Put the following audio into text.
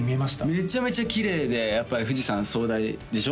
めちゃめちゃきれいでやっぱり富士山壮大でしょ？